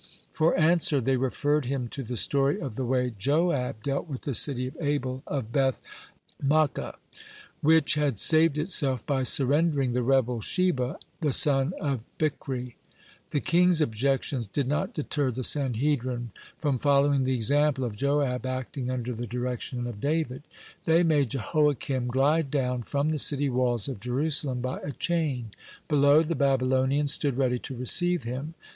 For answer they referred him to the story of the way Joab dealt with the city of Abel of Beth maacah, which had saved itself by surrendering the rebel Sheba, the son of Bichri. The king's objections did not deter the Sanhedrin from following the example of Joab acting under the direction of David. They made Jehoiakim glide down from the city walls of Jerusalem by a chain. Below, the Babylonians stood ready to receive him.